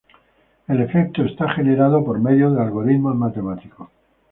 El efecto es generado por medio de algoritmos matemáticos.